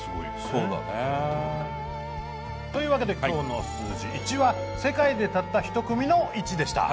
そうだね。というわけで今日の数字「１」は世界でたった一組の「１」でした。